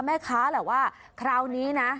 มันทุนหน่อย